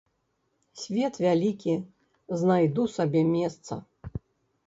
Свет вялікі, знайду сабе месца.